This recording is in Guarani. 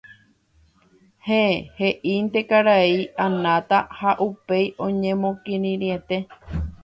“Héẽ” heʼínte karai Anata ha upéi oñemokirirĩete.